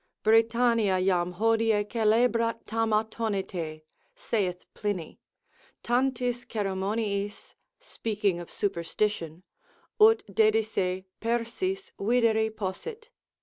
Britannia jam hodie celebrat tam attonite, saith Pliny, tantis ceremoniis (speaking of superstition) ut dedisse Persis videri possit.